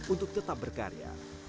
untuk tetap berkarya